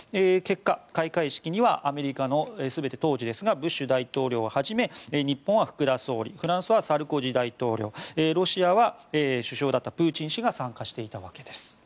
結果、開会式には全て当時ですがアメリカのブッシュ大統領をはじめ日本は福田総理フランスはサルコジ大統領ロシアは首相だったプーチン氏が参加していたわけです。